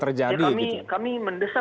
terjadi ya kami mendesak